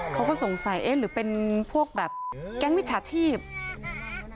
เขาก็สงสัยเอ๊ะหรือเป็นพวกแบบแก๊งมิจฉาชีพ